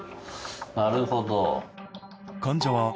なるほど。